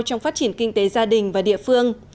trong phát triển kinh tế gia đình và địa phương